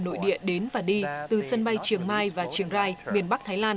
nội địa đến và đi từ sân bay triều mai và triều rai miền bắc thái lan